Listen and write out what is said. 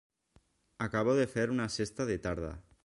Acabo de fer una sesta de tarda.